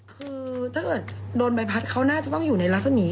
คือถ้าเกิดโดนใบพัดเขาน่าจะต้องอยู่ในลักษณะนี้